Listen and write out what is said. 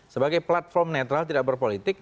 sebagai platform netral tidak berpolitik